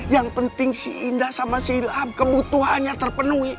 yang penting si indah sama si ilham kebutuhannya terpenuhi